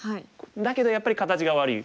だけどやっぱり形が悪い。